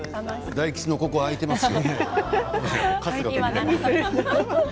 大吉のここ、空いてますよ。